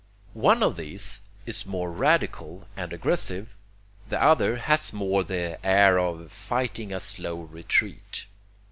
One of these is more radical and aggressive, the other has more the air of fighting a slow retreat.